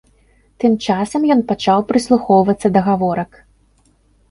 Тым часам ён пачаў прыслухоўвацца да гаворак.